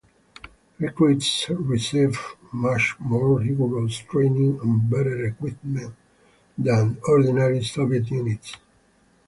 Recruits received much more rigorous training and better equipment than ordinary Soviet units.